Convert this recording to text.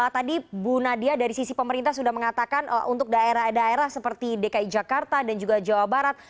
tadi bu nadia dari sisi pemerintah sudah mengatakan untuk daerah daerah seperti dki jakarta dan juga jawa barat